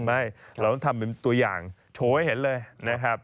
ไม่เราต้องทำเป็นตัวอย่างโชว์ให้เห็นเลยนะครับ